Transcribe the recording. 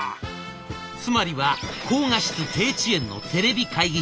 つまりは高画質・低遅延のテレビ会議システム。